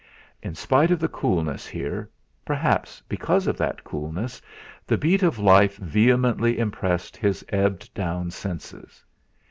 In spite of the coolness here, perhaps because of that coolness the beat of life vehemently impressed his ebbed down senses.